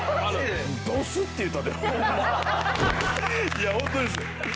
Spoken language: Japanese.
いやホントです。